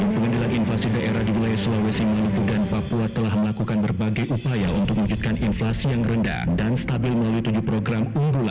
pengadilan inflasi daerah di wilayah sulawesi maluku dan papua telah melakukan berbagai upaya untuk mewujudkan inflasi yang rendah dan stabil melalui tujuh program unggulan